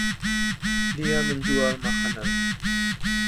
Dia menjual makanan.